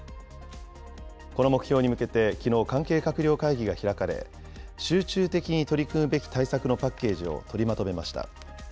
この目標に向けてきのう関係閣僚会議が開かれ、集中的に取り組むべき対策のパッケージを取りまとめました。